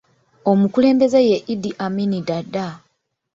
Omukulembeze ye Idi Amini Daada.